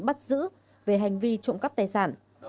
bắt giữ về hành vi trộm cắp tài sản